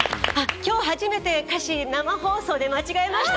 今日初めて生放送で歌詞を間違えました。